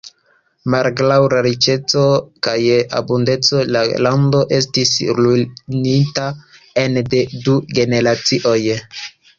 Malgraŭ la riĉeco kaj abundeco la lando estis ruinigita ene de du generacioj.